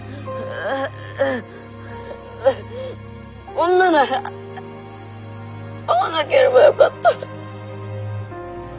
こんななら会わなければよかった。